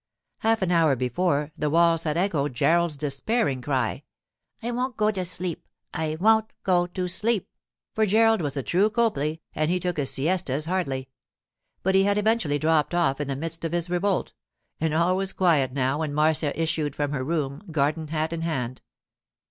Half an hour before, the walls had echoed Gerald's despairing cry, 'I won't go to sleep! I won't go to sleep!' for Gerald was a true Copley and he took his siestas hardly. But he had eventually dropped off in the midst of his revolt; and all was quiet now when Marcia issued from her room, garden hat in hand.